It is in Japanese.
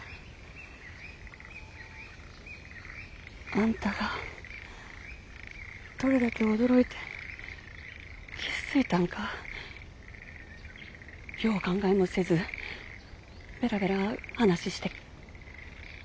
あんたがどれだけ驚いて傷ついたんかよう考えもせずベラベラ話して堪忍な。